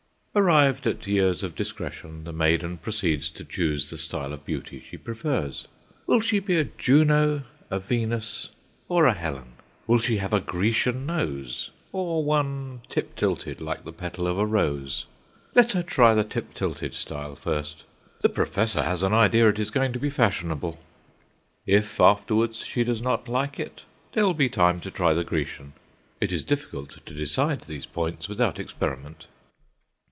Arrived at years of discretion, the maiden proceeds to choose the style of beauty she prefers. Will she be a Juno, a Venus, or a Helen? Will she have a Grecian nose, or one tip tilted like the petal of a rose? Let her try the tip tilted style first. The professor has an idea it is going to be fashionable. If afterwards she does not like it, there will be time to try the Grecian. It is difficult to decide these points without experiment.